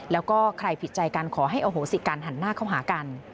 แล้วก็ใครผิดใจกันขอให้อโหสิกันหันหน้าเข้าหากัน